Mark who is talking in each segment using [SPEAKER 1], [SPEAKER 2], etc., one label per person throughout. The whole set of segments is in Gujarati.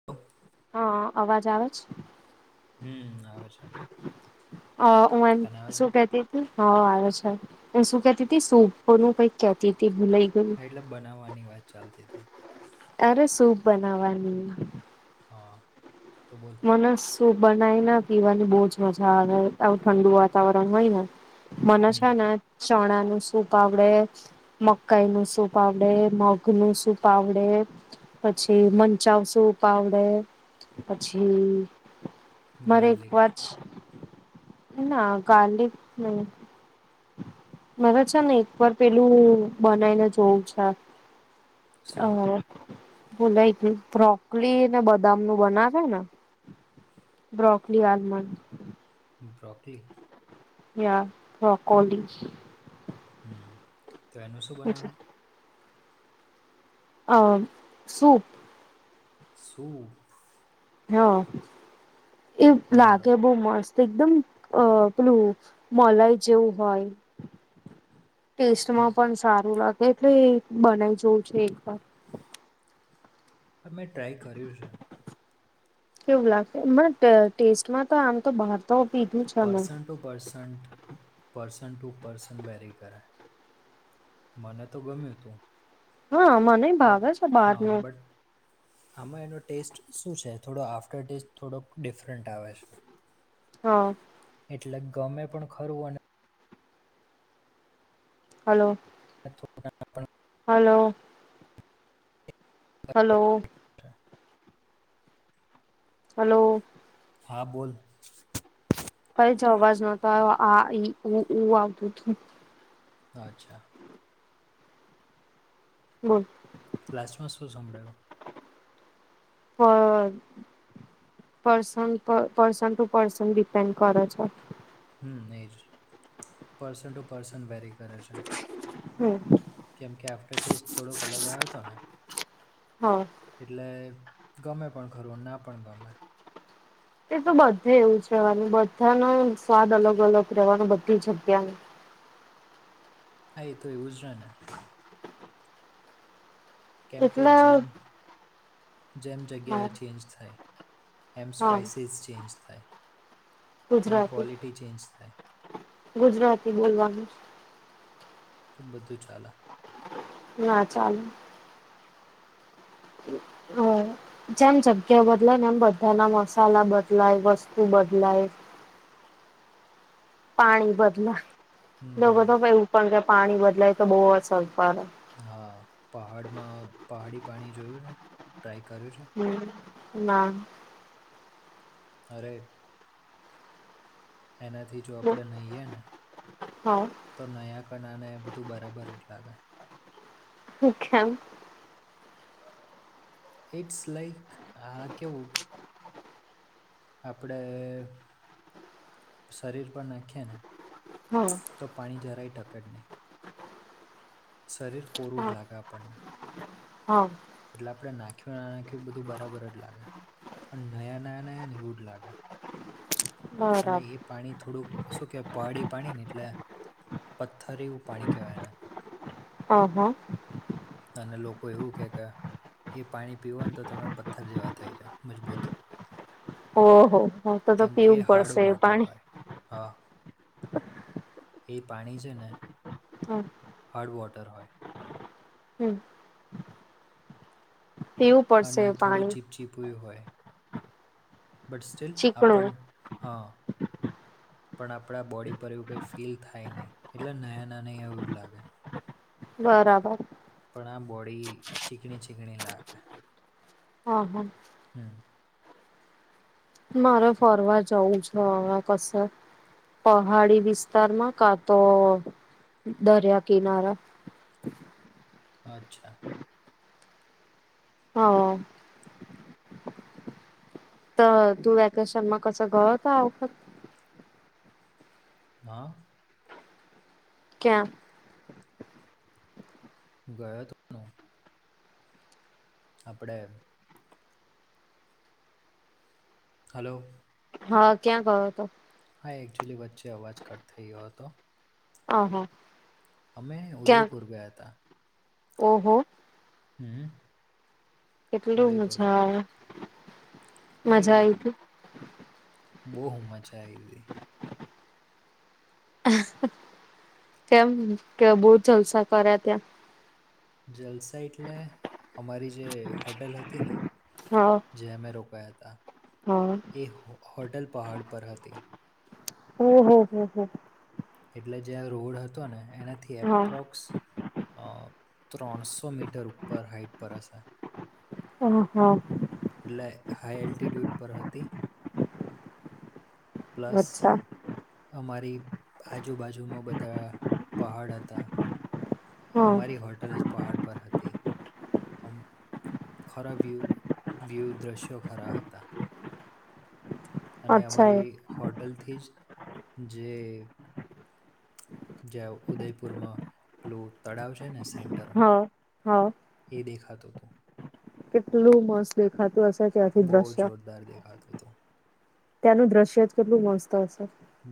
[SPEAKER 1] [unintelligible]
[SPEAKER 2] હા અવાજ આવે છે.
[SPEAKER 1] હમ આવે છે.
[SPEAKER 2] અ હું એમ
[SPEAKER 1] તને આવે છે
[SPEAKER 2] શું કહેતી. હા આવે છે એ હું શું કેતી તી સુપ નું કઈક કેતી તી ભૂલાઈ ગયું.
[SPEAKER 1] હા એટલે બનાવવાની વાત ચાલતી હતી.
[SPEAKER 2] અરે સૂપ બનાવાની.
[SPEAKER 1] હા તો બોલ.
[SPEAKER 2] નો સુપ બનાઈ ને પીવાની બહુજ મજા આવે આવું ઠંડુ વાતાવરણ હોય ને. મને
[SPEAKER 1] હમ
[SPEAKER 2] છે ને ચણા નું સૂપ આવડે. મકાઈ નું સુપ આવડે મગ નું સુપ આવડે. પછી મંચાવ સુપ આવડે. છે મારે એક
[SPEAKER 1] ગાર્લિક
[SPEAKER 2] વાર. ના નહી મને છેને એક પર. પેલું બનાવીને જોવું છે અ.
[SPEAKER 1] શું
[SPEAKER 2] ભૂલાઈ ગયુ બ્રોકોલી ને બદામ નું બનાવ. હે ને બ્રોકલી આલમંડ.
[SPEAKER 1] બ્રોકલી.
[SPEAKER 2] યા બ્રોકોલી.
[SPEAKER 1] હમ તો એનું શું બનાવવાનુ.
[SPEAKER 2] અ મ સૂપ.
[SPEAKER 1] સૂપ.
[SPEAKER 2] હા એ લાગે બૌ મસ્ત એકદમ અ પેલું મલાઈ જેવું હોય. ટેસ્ટમાં
[SPEAKER 1] બરાબર
[SPEAKER 2] પણ સારું લાગે એટલે બનાઈ જોવું છે એક વાર.
[SPEAKER 1] અમે ટ્રાય કર્યું છે.
[SPEAKER 2] કેવું લાગશે બટ ટેસ્ટમાં તો આમ તો બહાર તો પીધું છે મેં
[SPEAKER 1] person to percent person to person vary કરાય મને તો ગમ્યું તું
[SPEAKER 2] હા મને
[SPEAKER 1] બટ
[SPEAKER 2] ભાવે છે
[SPEAKER 1] હા
[SPEAKER 2] બહારનું
[SPEAKER 1] બટ આમાં એનો ટેસ્ટ શું છે? થોડો આફ્ટર ટેસ્ટ થોડોક ડિફરન્ટ આવે છે.
[SPEAKER 2] હા
[SPEAKER 1] એટલે ગમે પણ ખરું અને
[SPEAKER 2] હલો
[SPEAKER 1] [unintelligible]
[SPEAKER 2] હલો હલો
[SPEAKER 1] [unintelligible]
[SPEAKER 2] હલો
[SPEAKER 1] હા બોલ
[SPEAKER 2] કઈ જ અવાજ નોતો આ આ ઈ ઉ ઉ આવતું તું.
[SPEAKER 1] અચ્છા
[SPEAKER 2] હમ
[SPEAKER 1] લાસ્ટમાં શું સાંભળાયુ?
[SPEAKER 2] પગ. પર્સન પ પર્સન ટુ પર્સન ડિપેન્ડ કર છે.
[SPEAKER 1] હમ એજ પર્સન ટુ પર્સન વેરી કરે છે.
[SPEAKER 2] હમ.
[SPEAKER 1] કેમ કે આફ્ટર ટેસ્ટ થોડોક અલગ આયો તો ને.
[SPEAKER 2] હો.
[SPEAKER 1] એટલે ગમે પણ ખરું ના પણ ગમે.
[SPEAKER 2] તે તો બધે એવું રહેવાનું બધાનો સ્વાદ અલગ અલગ રહેવાનું બધી જગ્યાનું
[SPEAKER 1] હા એ તો એવુંજ રે ને. કેમ કે
[SPEAKER 2] એટલે
[SPEAKER 1] જેમ જેમ જગ્યાએ
[SPEAKER 2] હા
[SPEAKER 1] ચેન્જ થાય. એમ
[SPEAKER 2] હા
[SPEAKER 1] સ્પાઈસીસ ચેન્જ થાય એની
[SPEAKER 2] ગુજરાતી
[SPEAKER 1] ક્વૉલિટી ચેન્જ થાય.
[SPEAKER 2] ગુજરાતી બોલવાનું
[SPEAKER 1] તો બધું ચાલા.
[SPEAKER 2] ના ચાલ. હમ [inaudible] જેમ જગ્યા બદલાય ને એમ બધા ના મસાલા બદલાય વસ્તુ બદલાય [inaudible] પાણી બદલાય લોકો
[SPEAKER 1] હમ
[SPEAKER 2] તો એવું પણ કે પાણી બદલાય તો બહુ જ અસર પડે.
[SPEAKER 1] હા પહાડમાં પહાડી પાણી જોયું છે ટ્રાય કર્યું છે.
[SPEAKER 2] હમ ના.
[SPEAKER 1] અરે. એનાથી જો આપણે નાહીએ ને.
[SPEAKER 2] હા
[SPEAKER 1] તો નયા કણાને એ બધું બરાબર એટ લાગે.
[SPEAKER 2] શખેમ
[SPEAKER 1] ઇટ્સ લાઈક હા કેવું. આપણેે શરીર પણ નાખીએ ને.
[SPEAKER 2] હા
[SPEAKER 1] તો પાણી જરાય ટકે જ નહીં. શરીર કોરુ લાગે આપણ ને.
[SPEAKER 2] હ.
[SPEAKER 1] એટલે આપણે નાખ્યું ના નાખ્યું બધું બરાબર જ લાગે અને નયા નાયા નયા ને એવું જ લાગે અને
[SPEAKER 2] બરાબર
[SPEAKER 1] એ પાણી થોડુંક શું કેહેવાય પહાળડી પાણી ને એટલે પથ્થર એવું પાણી કહેવાય એને
[SPEAKER 2] હ હા
[SPEAKER 1] અને લોકો એવું કે કે એ પાણી પીવો ને તો તમે પથ્થર જેવા થઇ જાવ મજબૂત
[SPEAKER 2] ઓહો હ તો તો
[SPEAKER 1] કેમ કે
[SPEAKER 2] પીવું
[SPEAKER 1] હર્ડ
[SPEAKER 2] પડશે
[SPEAKER 1] વોટર
[SPEAKER 2] પાણી
[SPEAKER 1] હોય હા એ પાણી છે ને
[SPEAKER 2] હમ
[SPEAKER 1] હાર્ડ વોટર હોય
[SPEAKER 2] હમ પીવું પડશે
[SPEAKER 1] અને
[SPEAKER 2] એ
[SPEAKER 1] થોડું
[SPEAKER 2] પાણી
[SPEAKER 1] ચીપચીપય હોય બટ સ્ટીલ
[SPEAKER 2] ચીકણું
[SPEAKER 1] આપણ અ પણ આપણા બોડી પર એવું કંઈ ફીલ થાય નહીં એટલે નાયાં ના નં આવ એવું જ લાગે
[SPEAKER 2] બરાબર
[SPEAKER 1] પણ આ બોડી ચીકણી ચીકણી લાગે
[SPEAKER 2] હા હા
[SPEAKER 1] હમ
[SPEAKER 2] મારે ફરવા જવું છ હવે કસે પહાડી વિસ્તારમાં કા તો દરિયા કિનારા
[SPEAKER 1] અચ્છા
[SPEAKER 2] હ તું વેકેશનમાં કસે ગયો તો આ વખતે?
[SPEAKER 1] હા.
[SPEAKER 2] કેયાં?
[SPEAKER 1] ગયો તો આપડે હલો
[SPEAKER 2] હા ક્યાં ગયો હતો?
[SPEAKER 1] હા એકચ્યુઅલી વચ્ચે અવાજ કટ થઈ ગયો હતો.
[SPEAKER 2] ઓ હા
[SPEAKER 1] અમે ઉદયપુર ગયા હતા.
[SPEAKER 2] ઓહો
[SPEAKER 1] હમ
[SPEAKER 2] કેટલું
[SPEAKER 1] ઉદયપુર
[SPEAKER 2] મજા
[SPEAKER 1] ગયા
[SPEAKER 2] આવે
[SPEAKER 1] છે અરે
[SPEAKER 2] મજા આવી હતી
[SPEAKER 1] બહ મજા આયવી
[SPEAKER 2] કેમ કે બહુ જલસા કર્યા ત્યાં?
[SPEAKER 1] જલસા એટલે અમારી જે હોટેલ હતી ને
[SPEAKER 2] હા
[SPEAKER 1] જે અમે રોકાયાતા
[SPEAKER 2] હ હ
[SPEAKER 1] એ હોટલ પહાડ પર હતી.
[SPEAKER 2] ઓહ હો હો
[SPEAKER 1] એટલે જે આ રોડ હતો ને એનાથી
[SPEAKER 2] હા
[SPEAKER 1] એપ્રોક્સ ત્રણસો મીટર ઉપર હાઈટ પર હશે.
[SPEAKER 2] હહા
[SPEAKER 1] એટલે હાઈ એલ્ટિટ્યુડ પર હતી. પ્લસ
[SPEAKER 2] અચ્છા
[SPEAKER 1] અમારી આજુબાજુમાં બધા પહાડ હતા.
[SPEAKER 2] હા
[SPEAKER 1] અમારી હોટલ જ પહાડ પર હતી. અમ ખરા વ્યૂ વ્યૂ દ્રશ્યો ખરા હતા. અને
[SPEAKER 2] અચ્છા એ
[SPEAKER 1] અમારી હોટલથી જ જે જ્યાં ઉદયપુરમાં પેલું તળાવ છે ને સેન્ટ
[SPEAKER 2] હા, હા.
[SPEAKER 1] ઈ દેખાતું તું.
[SPEAKER 2] કેટલું મસ્ત દેખાતું હશે. ત્યાંથી
[SPEAKER 1] બહુ
[SPEAKER 2] દ્રશ્ય
[SPEAKER 1] જોરદાર દેખાતું તું.
[SPEAKER 2] ત્યાંનું દ્રશ્ય જ કેટલું મસ્ત હશે.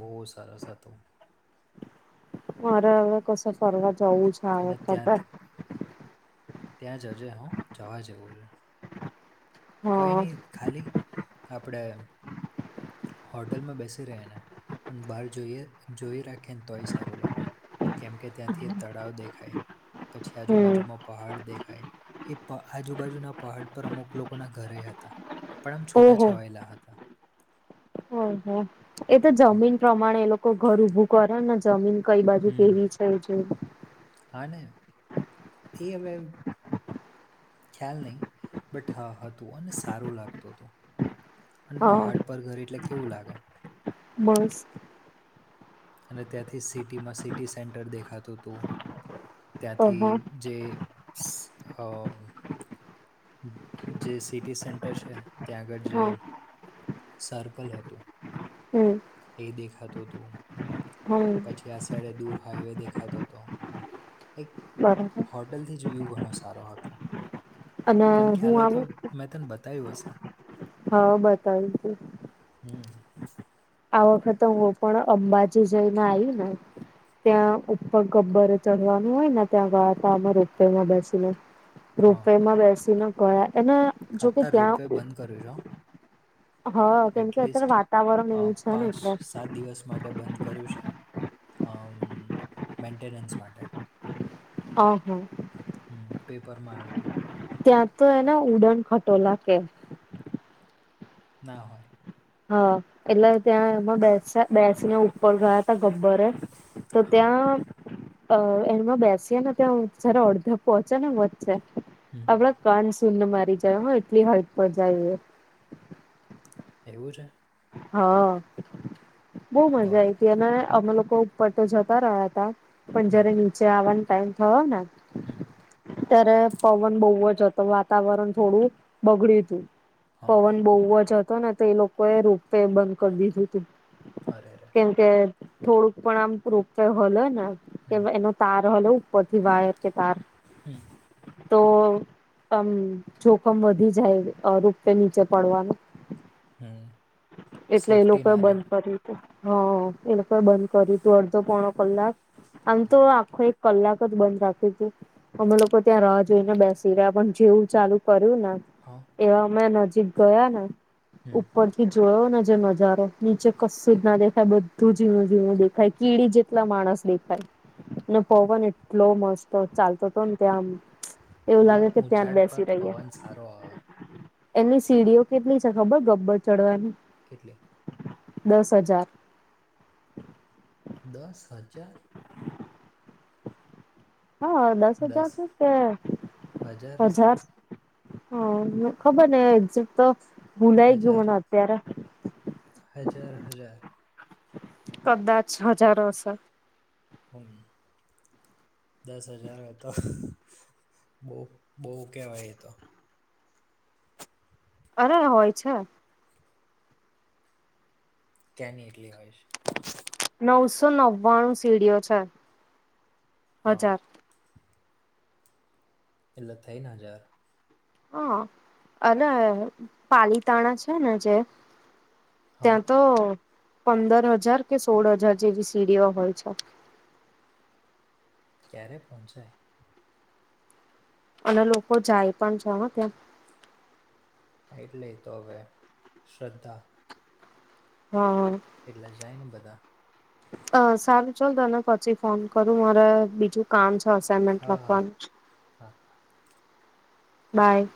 [SPEAKER 1] બહુ સરસ હતું.
[SPEAKER 2] મારે હવે કશે ફરવા જાવું છ.
[SPEAKER 1] અને ત્યાંથી, ત્યાં જજે હો જવા જેવું છે. કંઈ
[SPEAKER 2] હા
[SPEAKER 1] નહીં, ખાલી આપણે હોટલમાં બેસી રહે ને, અન બહાર જોઈએ જોયે રાખેને તોય સારું લાગે. કેમ કે ત્યાંથી તળાવ દેખાય, પછી
[SPEAKER 2] હમ
[SPEAKER 1] આજુબાજુમાં પહાડ દેખાય એ પ આજુબાજુના પહાડ પર અમુક લોકોના ઘર એય હતા, પણ આમ છૂટા છવાયેલા હતા.
[SPEAKER 2] હમ્મ-હમ્મ એ તો જમીન પ્રમાણે એ લોકો ઘર ઊભું કરેને જમીન કંઈ બાજુ
[SPEAKER 1] હમ
[SPEAKER 2] કેવી છે એ જોઈ.
[SPEAKER 1] હા ને, એ હવે ખ્યાલ નહીં, બટ હા હતું, અને સારું લાગતુ તુ. અને
[SPEAKER 2] હા
[SPEAKER 1] પહાડ પર ઘર એટલે કેવું લાગે!
[SPEAKER 2] મસ્ત.
[SPEAKER 1] અને ત્યાંથી સિટીમાં સિટી સેન્ટર દેખાતું તું. ત્યાંથી
[SPEAKER 2] હા
[SPEAKER 1] જે સ અહ જે સિટી સેન્ટર છે, ત્યાં આગળ જે
[SPEAKER 2] હા
[SPEAKER 1] સર્કલ હતું,
[SPEAKER 2] હમ
[SPEAKER 1] એ દેખાતું તું.
[SPEAKER 2] હમ
[SPEAKER 1] પછી આ સાઈડે દૂર હાઈવે દેખાતો તો. એક
[SPEAKER 2] બરબર.
[SPEAKER 1] હોટલથી જ વ્યૂહ ઘણો સારો હતો.
[SPEAKER 2] અને
[SPEAKER 1] તને
[SPEAKER 2] હું
[SPEAKER 1] ખ્યાલ હોય
[SPEAKER 2] આવું
[SPEAKER 1] તો મેં તને બતાવ્યું હશે.
[SPEAKER 2] હા બતાવ્યું છે.
[SPEAKER 1] હમ્મ.
[SPEAKER 2] આ વખતે હું પણ અંબાજી જઈને આયવી ને ત્યાં ઉપર ગબ્બર ચડવાનું હોય ને ત્યાં ગયા તા અમે રોપવેમાં બેસીને. રોપવેમાં બેસીને ગયા, એના
[SPEAKER 1] અતાર રોપવે બંધ કર્યું છે હો.
[SPEAKER 2] હા કેમ કે અત્યારે
[SPEAKER 1] એટલીસ્ટ
[SPEAKER 2] વાતાવરણ
[SPEAKER 1] અહ
[SPEAKER 2] એવું છે ને
[SPEAKER 1] પાંચ,
[SPEAKER 2] એટલે
[SPEAKER 1] સાત દિવસ માટે બંધ કર્યું છે, અમ્મ મેન્ટેનન્સ માટે.
[SPEAKER 2] અહા.
[SPEAKER 1] હમ્મ પેપરમાં આયું તું.
[SPEAKER 2] ત્યાં તો એને ઉડન ખટોલા કેય.
[SPEAKER 1] ના હોય.
[SPEAKER 2] હા. એટલે ત્યાં એમાં બેસે બેસીને ઉપર ગયા તા ગબ્બરે. તો
[SPEAKER 1] હા,
[SPEAKER 2] ત્યાં અહ એમાં બેસીએ ને ત્યા જ્યારે અડધે પહોંચેને વચ્ચે
[SPEAKER 1] હમ્મ.
[SPEAKER 2] આપડા કાન શૂન મારી જાય હો, એટલી હાઈટ પર જાઈએ.
[SPEAKER 1] એવું છે?
[SPEAKER 2] હા, બોવ મજા
[SPEAKER 1] બરાબર.
[SPEAKER 2] આઈ તી. અને અમે લોકો ઉપર તો જતા રહ્યા હતા, પણ જયારે નીચે આવવાનો ટાઈમ થયો ને
[SPEAKER 1] હમ્મ.
[SPEAKER 2] ત્યારે પવન બહું જ હતો, વાતાવરણ થોડું બગડ્યું તું.
[SPEAKER 1] હા.
[SPEAKER 2] પવન બહું જ હતો ને તો એ લોકોએ રોપ વેે બંધ કર દીધું તું.
[SPEAKER 1] અરે રે
[SPEAKER 2] કેમ કે થોડુંક પણ આમ રોપવે હલે ને
[SPEAKER 1] હમ,
[SPEAKER 2] એનો તાર હલે ઉપથી વાયર કે તાર
[SPEAKER 1] હમ
[SPEAKER 2] તો તમ જોખમ વધી જાય રોપવે નીચે પડવાનું
[SPEAKER 1] હમ
[SPEAKER 2] એટલે એ
[SPEAKER 1] સેફ્ટી
[SPEAKER 2] લોકોએ
[SPEAKER 1] ના રહે.
[SPEAKER 2] બંધ કર્યું હા એ લોકોએ બંધ કરીયું તું અડધો પોણો કલાક આમ તો
[SPEAKER 1] હા,
[SPEAKER 2] આખો એક કલાક જ બંધ રાખ્યુ અતુ અમે લોકો ત્યાં રાહ જોઈને બેસી રહ્યા પણ જેવું ચાલુ કર્યું ને
[SPEAKER 1] હા
[SPEAKER 2] એવા અમે નજીક ગયા ને
[SPEAKER 1] હમ.
[SPEAKER 2] ઉપર જોયો ને નજારો નીચે કશું જ ના દેખાય બધું જઝીણું ઝીણું દેખાય કીડી જેટલા માણસ દેખાય અને પવન એટલો મસ્ત ચાલતો તો ત્યાં એવું
[SPEAKER 1] એટલે
[SPEAKER 2] લાગે કે ત્યાં જ
[SPEAKER 1] ઊંચાડ
[SPEAKER 2] બેસી
[SPEAKER 1] પર
[SPEAKER 2] રહીએ
[SPEAKER 1] પવન સારો આવે.
[SPEAKER 2] એની સીડીઓ કેટલી છે ખબર ગબ્બર ચડવાની
[SPEAKER 1] કેટલી
[SPEAKER 2] દસ હજાર
[SPEAKER 1] દસ હજાર
[SPEAKER 2] હા દસ હજાર છે કે
[SPEAKER 1] હશે.
[SPEAKER 2] હજાર હ ખબર નય એક્ઝટ તો ભૂલાય
[SPEAKER 1] હજાર,
[SPEAKER 2] ગયોને અત્યારે
[SPEAKER 1] હજાર હજાર
[SPEAKER 2] કદાચ હજારોશેર.
[SPEAKER 1] હૂમ. દસ હજાર તો બહુ બહુ કેવાય એ તો.
[SPEAKER 2] અરે હોય છે.
[SPEAKER 1] કેની એટલી હોય છે.
[SPEAKER 2] નવસો નવ્વાણું સીડીઓ છે
[SPEAKER 1] હા
[SPEAKER 2] હજાર.
[SPEAKER 1] એટલે થઈ ને હજાર.
[SPEAKER 2] હા અને પાલીતાણા છે ને જે
[SPEAKER 1] હા
[SPEAKER 2] ત્યાં તો પંદર હજાર કે સોળ હજાર જેવી સીડીઓ હોય છે.
[SPEAKER 1] ક્યારે પહોંચાય.
[SPEAKER 2] અને લોકો જાય પણ છે ને ત્યાં.
[SPEAKER 1] એટલે તો હવે શ્રદ્ધા.
[SPEAKER 2] હમ હ.
[SPEAKER 1] એટલે જાયને બધા.
[SPEAKER 2] અ સારું ચાલ તને પછી ફોન કરું મારે બીજું કામ છે અસાઈમેન્ટ
[SPEAKER 1] હા હા
[SPEAKER 2] લખવાનું.
[SPEAKER 1] હા.
[SPEAKER 2] બાય.